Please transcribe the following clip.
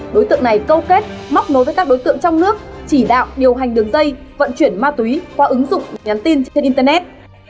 đối tượng này câu kết móc nối với các đối tượng trong nước chỉ đạo điều hành đường dây vận chuyển ma túy qua ứng dụng nhắn tin trên internet